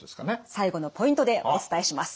最後のポイントでお伝えします。